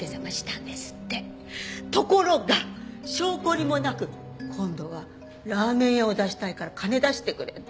ところが性懲りもなく今度はラーメン屋を出したいから金出してくれって。